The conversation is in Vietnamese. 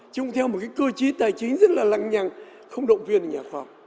chúng theo một cái cơ chí tài chính rất là lăng nhăng không động viên nhà khoa học